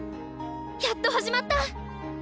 やっと始まった！